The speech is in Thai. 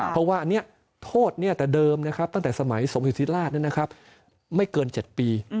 เพราะว่าโทษแต่เดิมตั้งแต่สมัยสมศิษย์ศิราชไม่เกิน๗ปี